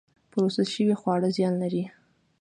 پروسس شوي خواړه زیان لري